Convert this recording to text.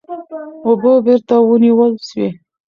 اوبه بېرته ونیول سوې.